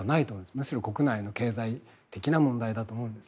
むしろ国内の経済的な問題だと思います。